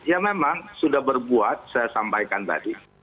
ya memang sudah berbuat saya sampaikan tadi